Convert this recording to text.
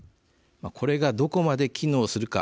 これがどこまで機能するか